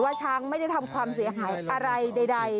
ช้างไม่ได้ทำความเสียหายอะไรใด